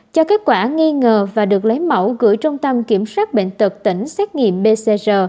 cho kết quả nghi ngờ và được lấy mẫu gửi trung tâm kiểm soát bệnh tật tỉnh xét nghiệm pcr